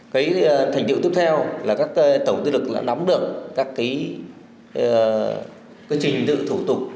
cái thành tiệu tiếp theo là các tổng tiền lực đã đóng được các trình dự thủ tục